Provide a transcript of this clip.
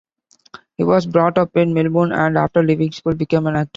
He was brought up in Melbourne and, after leaving school, became an actor.